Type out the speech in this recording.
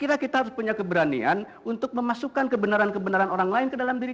saya kira kita harus punya keberanian untuk memasukkan kebenaran kebenaran orang lain ke dalam diri